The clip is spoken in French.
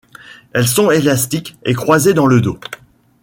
Elles sont élastiques et croisées dans le dos.